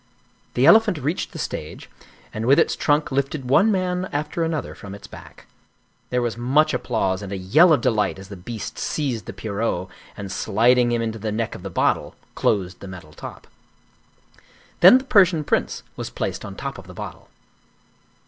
The elephant reached the stage, and with its trunk lifted one man after another from its back. There was much applause and a yell of delight as the beast seized the Pierrot and sliding him into the neck of the bottle, closed the metal top. Then the Persian prince was placed on top of the bottle.